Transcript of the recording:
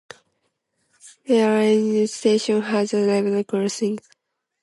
Ware railway station has a level crossing on the western side of the platform.